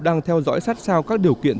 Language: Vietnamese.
đang theo dõi sát sao các điều kiện